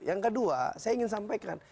yang kedua saya ingin sampaikan